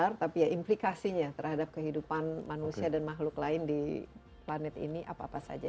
dan itu adalah implikasinya terhadap kehidupan manusia dan makhluk lain di planet ini apa apa saja